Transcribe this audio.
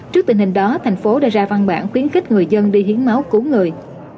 trước tình hình đó thành phố đã ra văn bản khuyến khích người dân đi hiến máu cứu người